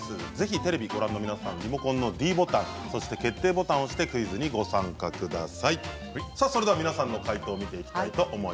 テレビをご覧の皆さんもリモコンのｄボタン決定ボタンを押してクイズにご参加ください。